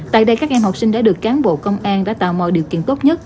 tại đây các em học sinh đã được cán bộ công an đã tạo mọi điều kiện tốt nhất